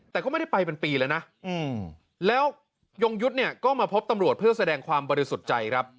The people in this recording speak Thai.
แต่ก็ไม่ได้ไปเป็นปีแล้วนะแล้วยงยุทธ์เนี่ยก็มาพบตำรวจเพื่อแสดงความบริสุทธิ์ใจครับ